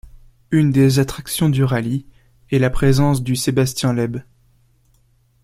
Une des attractions du rallye est la présence du Sébastien Loeb.